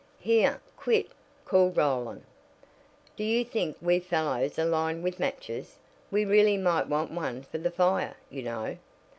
"Here, quit!" called Roland. "Do you think we fellows are lined with matches? We really might want one for the fire, you know."